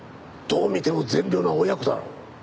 どう見ても善良な親子だろ。